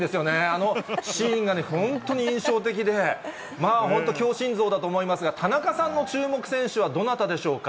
あのシーンが本当に印象的で、まあ、本当、強心臓だと思いますが、田中さんの注目選手はどなたでしょうか。